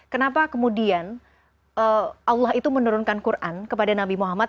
kenapa kemudian allah itu menurunkan quran kepada nabi muhammad